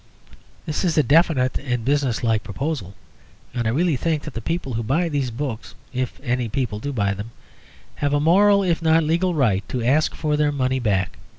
This is a definite and business like proposal, and I really think that the people who buy these books (if any people do buy them) have a moral, if not a legal, right to ask for their money back.